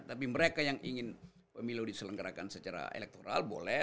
tapi mereka yang ingin pemilu diselenggarakan secara elektoral boleh